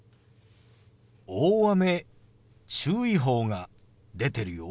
大雨注意報が出てるよ。